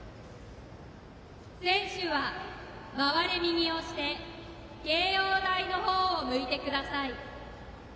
選手は回れ右をして掲揚台の方を向いてください。